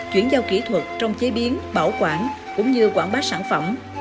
chuyển giao kỹ thuật trong chế biến bảo quản cũng như quảng bá sản phẩm